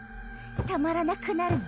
たまらなくなるの。